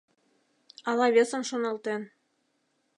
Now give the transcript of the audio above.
Ала весым шоналтен